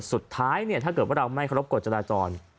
สุดท้ายเนี่ยถ้าเกิดว่าเราไม่รับกฎจราจร